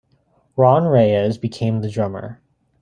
Ron Reyes became the drummer.